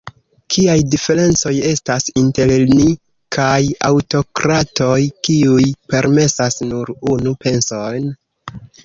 Kiaj diferencoj estas inter ni kaj aŭtokratoj, kiuj permesas nur unu penson?